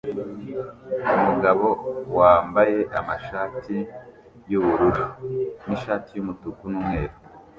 Umugabo wambaye amashati yubururu nishati yumutuku numweru